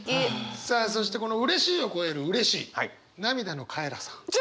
さあそしてこのうれしいを超えるうれしい涙のカエラさん